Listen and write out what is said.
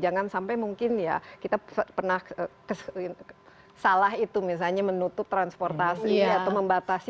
jangan sampai mungkin ya kita pernah salah itu misalnya menutup transportasi atau membatasi